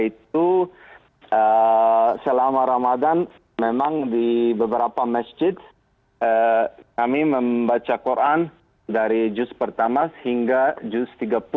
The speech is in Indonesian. itu selama ramadan memang di beberapa masjid kami membaca quran dari juz pertama hingga juz tiga puluh